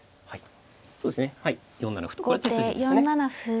はい。